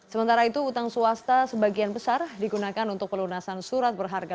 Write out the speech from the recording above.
sementara itu utang swasta sebagian besar digunakan untuk pelunasan surat berharga